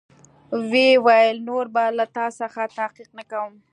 ويې ويل نور به له تا څخه تحقيق نه کوم.